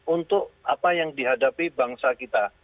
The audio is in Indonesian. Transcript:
untuk apa yang dihadapi bangsa kita